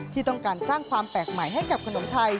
ที่ต้องการสร้างความแปลกใหม่ให้กับขนมไทย